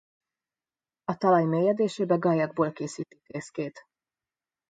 A talaj mélyedésébe gallyakból készíti fészkét.